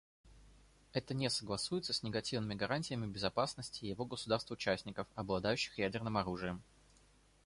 Это не согласуется с негативными гарантиями безопасности его государств-участников, обладающих ядерным оружием.